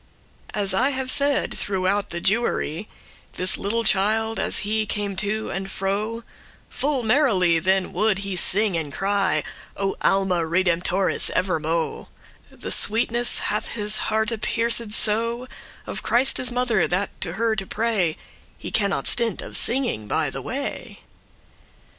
As I have said, throughout the Jewery, This little child, as he came to and fro, Full merrily then would he sing and cry, O Alma redemptoris, evermo'; The sweetness hath his hearte pierced so Of Christe's mother, that to her to pray He cannot stint* of singing by the way.